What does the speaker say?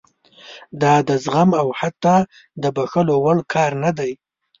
دا د زغم او حتی د بښلو وړ کار نه دی.